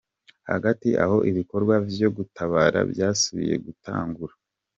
Hagati aho ibikorwa vyo gutabara vyasubiye gutangura.